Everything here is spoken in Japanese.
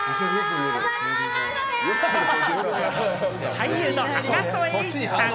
俳優の赤楚衛二さん。